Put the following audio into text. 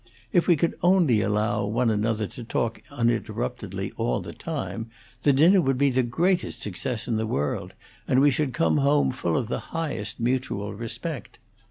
If we could only allow one another to talk uninterruptedly all the time, the dinner would be the greatest success in the world, and we should come home full of the highest mutual respect.